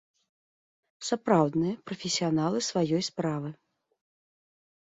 Сапраўдныя прафесіяналы сваёй справы.